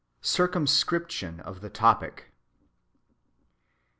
CIRCUMSCRIPTION OF THE TOPIC.